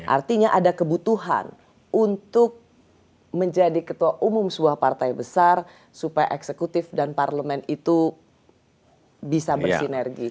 artinya ada kebutuhan untuk menjadi ketua umum sebuah partai besar supaya eksekutif dan parlemen itu bisa bersinergi